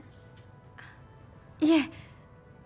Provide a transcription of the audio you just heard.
あっいえ。